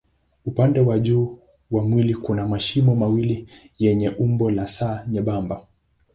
Upande wa juu wa mwili kuna mashimo mawili yenye umbo la S nyembamba.